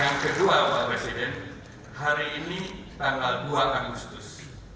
yang kedua bapak presiden hari ini tanggal dua agustus